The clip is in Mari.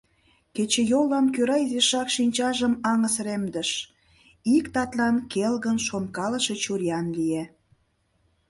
Кечыйоллан кӧра изишак шинчажым аҥысыремдыш, ик татлан келгын шонкалыше чуриян лие.